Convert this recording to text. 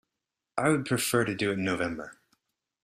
I would prefer to do it in November.